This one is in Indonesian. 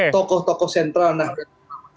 tokoh tokoh sentral nahdlatul ulama